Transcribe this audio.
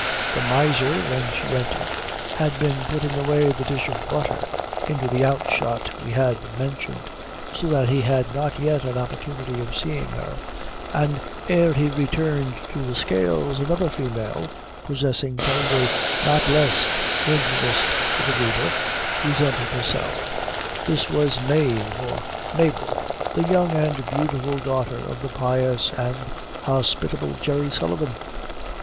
The miser, when she entered, had been putting away the dish of butter into the outshot we have mentioned, so that he had not yet an opportunity of seeing her, and, ere he returned to the scales, another female possessing probably not less interest to the reader, presented herself this was Mave or Mabel, the young and beautiful daughter of the pious and hospitable Jerry Sullivan.